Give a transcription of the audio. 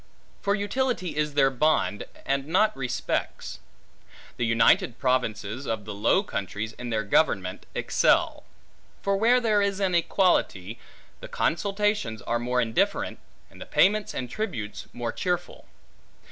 For utility is their bond, and not respects. The united provinces of the Low Countries, in their government, excel; for where there is an equality, the consultations are more indifferent, and the payments and tributes, more cheerful.